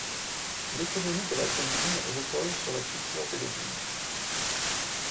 L'économie de la commune repose sur la culture des légumes.